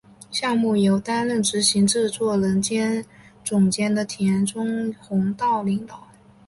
项目由担任执行制作人兼总监的田中弘道领导。